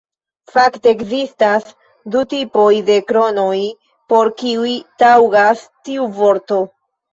Fakte ekzistas du tipoj de kronoj, por kiuj taŭgas tiu vorto.